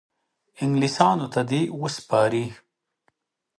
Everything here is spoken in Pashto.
انګلیسیانو ته دي وسپاري.